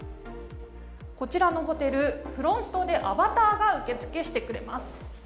こちらのホテルフロントでアバターが受け付けしてくれます。